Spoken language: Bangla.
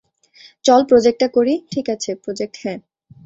চল প্রজেক্টটা করি -ঠিক আছে, প্রজেক্ট হ্যাঁ।